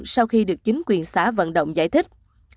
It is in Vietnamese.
sau khi được chính quyền xã vận động giải thích